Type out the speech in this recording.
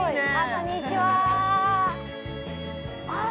◆こんにちはー。